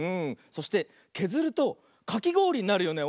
そしてけずるとかきごおりになるよね。